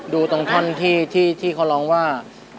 ดูตรงท่อนที่เขาร้องว่า